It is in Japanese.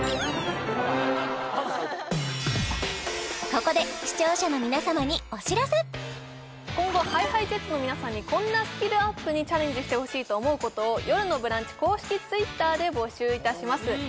ここで今後ＨｉＨｉＪｅｔｓの皆さんにこんなスキルアップにチャレンジしてほしいと思うことを「よるのブランチ」公式Ｔｗｉｔｔｅｒで募集いたします